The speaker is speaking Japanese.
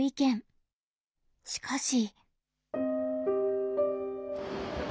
しかし。